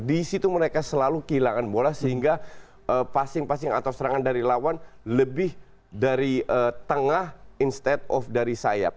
di situ mereka selalu kehilangan bola sehingga passing passing atau serangan dari lawan lebih dari tengah instead of dari sayap